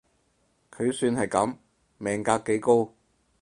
佢算係噉，命格幾高